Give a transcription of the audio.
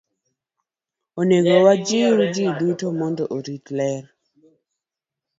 Onego wajiw ji duto mondo orit ler.